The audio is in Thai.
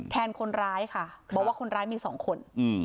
แทนคนร้ายค่ะบอกว่าคนร้ายมีสองคน